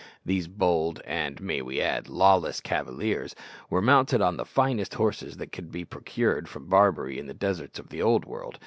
These bold, and, we may add, lawless cavaliers were mounted on the finest horses that could be procured from Barbary and the deserts of the Old World.